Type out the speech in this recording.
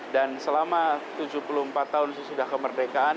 dan selama tujuh puluh empat tahun sudah kemerdekaan